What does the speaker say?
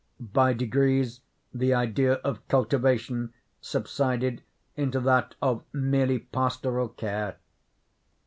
By degrees the idea of cultivation subsided into that of merely pastoral care.